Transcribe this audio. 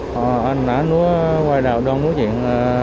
họ đã nắm rõ quay đầu đoán nói chuyện